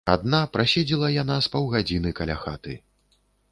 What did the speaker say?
Адна праседзела яна з паўгадзіны каля хаты.